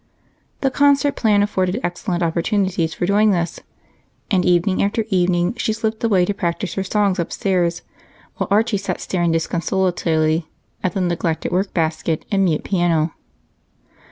The concert plan afforded excellent opportunities for doing this, and evening after evening she slipped away to practice her songs upstairs while Archie sat staring disconsolately at the neglected work basket and mute piano.